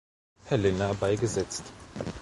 Helena beigesetzt.